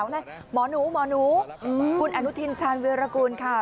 หมอหนูหมอหนูคุณอนุทินชาญวิรากูลค่ะ